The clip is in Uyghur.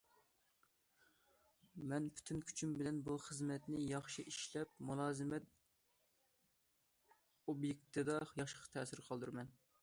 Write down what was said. مەن پۈتۈن كۈچۈم بىلەن بۇ خىزمەتنى ياخشى ئىشلەپ، مۇلازىمەت ئوبيېكتىدا ياخشى تەسىر قالدۇرىمەن.